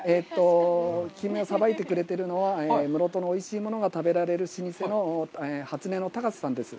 キンメをさばいてくれているのは、室戸のおいしいものが食べられる老舗の初音の高瀬さんです。